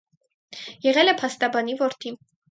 Եղել է փաստաբանի որդի։